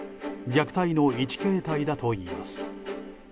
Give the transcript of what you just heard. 虐待の一形態だといいます。